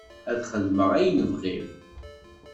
Ad xedmeɣ ayen bɣiɣ.